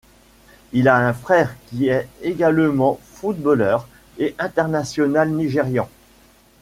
Il a un frère, qui est également footballeur et international nigérian.